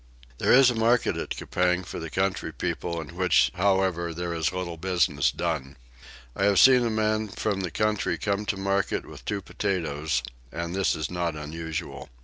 There is a market at Coupang for the country people in which however there is little business done. I have seen a man from the country come to market with two potatoes: and this is not unusual.